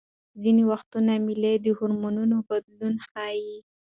ځینې وختونه میل د هورمونونو بدلون ښيي.